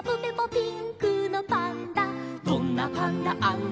「どんなパンダあんな